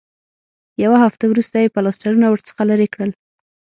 یوه هفته وروسته یې پلاسټرونه ورڅخه لرې کړل.